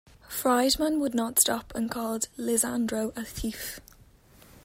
Friedman would not stop, and called Lisandro a "thief".